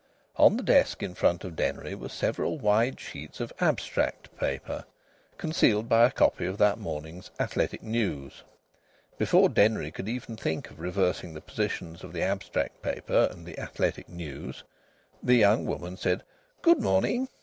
On the desk in front of Denry were several wide sheets of "abstract" paper, concealed by a copy of that morning's Athletic News. Before Denry could even think of reversing the positions of the abstract paper and the Athletic News the young woman said "Good morning!"